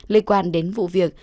lê quan đến vụ việc